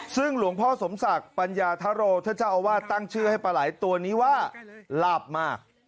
ซึ่งหลวงพ่อสมศักดิ์ปัญญาธโรท่านเจ้าอาวาสตั้งชื่อให้ปลาไหล่ตัวนี้ว่าลาบมาก